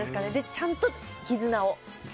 ちゃんと絆を。